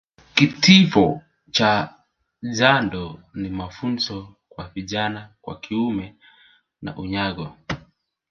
Kitivo cha jando ni mafunzo kwa vijana wa kiume na unyago